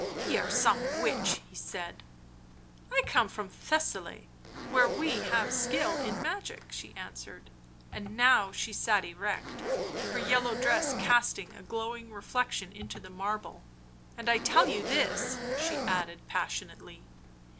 "Ye are some witch,"' he said. " I come from Thessaly, where we have skill in magic," she answered. And now she sat erect, her yellow dress casting a glowing reflection into the marble. " And I tell you this," she added passionately.